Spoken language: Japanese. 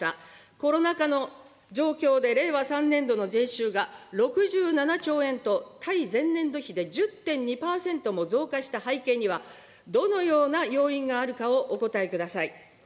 コロナ禍の状況で令和３年度の税収が６７兆円と、対前年度比で１０．２％も増加した背景には、どのような要因があるかをお答えください。